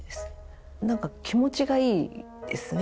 何か気持ちがいいですね。